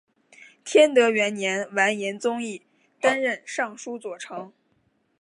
天德元年完颜宗义担任尚书左丞。